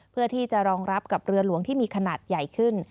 เพื่อที่จะรองรับกับเรือหลวงที่มีขนาดใหญ่ขึ้น